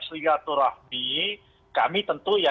silaturahmi kami tentu ya